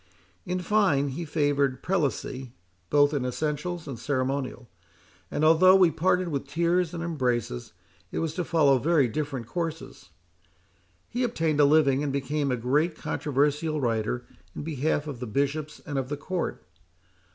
In fine, he favoured Prelacy both in essentials and ceremonial; and although, we parted with tears and embraces, it was to follow very different courses. He obtained a living, and became a great controversial writer in behalf of the Bishops and of the Court.